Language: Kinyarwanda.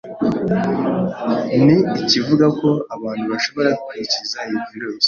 ni ikivuga ko abantu bashobora kwikiza iyi virus